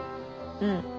うん。